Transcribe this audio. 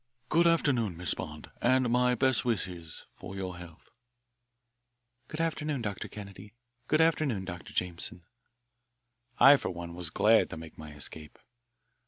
Good afternoon, Miss Bond, and my best wishes for your health." "Good afternoon, Dr. Kennedy. Good afternoon, Dr. Jameson." I for one was glad to make my escape.